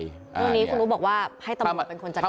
เรื่องนี้คุณอุ๊บอกว่าให้ตำรวจเป็นคนจัดการ